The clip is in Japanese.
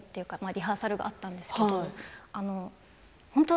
リハーサルがあったんですけど。